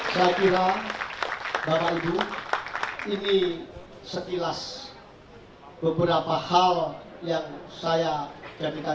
saya kira bapak ibu ini sekilas beberapa hal yang saya jadikan